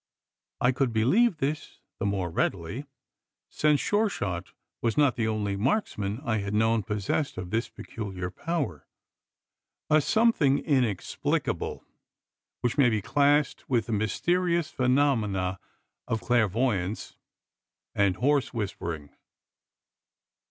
I could believe this the more readily since Sure shot was not the only marksman I had known possessed of this peculiar power. A something inexplicable, which may be classed with the mysterious phenomena of clairvoyance and "horse whispering."